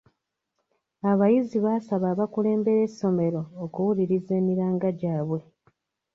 Abayizi baasaba abakulembera essomero okuwuliriza emiranga gyabwe.